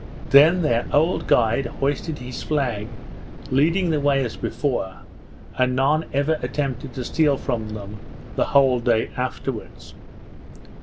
Then their old guide hoisted his flag, leading the way as before, and none ever attempted to steal from them the whole day afterwards.